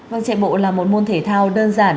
vâng chạy bộ là một môn thể thao đơn giản